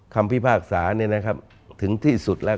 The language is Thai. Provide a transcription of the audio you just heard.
พิพากษาถึงที่สุดแล้ว